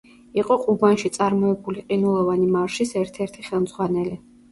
იყო ყუბანში წარმოებული „ყინულოვანი მარშის“ ერთ-ერთი ხელმძღვანელი.